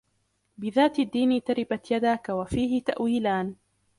بِذَاتِ الدِّينِ تَرِبَتْ يَدَاك وَفِيهِ تَأْوِيلَانِ